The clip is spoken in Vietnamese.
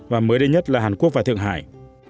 và mới đây nhất là hàn quốc và thượng hải